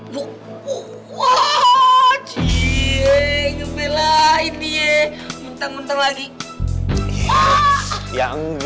woh woh wajiii ngebelain dia menteng menteng lagi